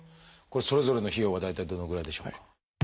これそれぞれの費用は大体どのぐらいでしょうか？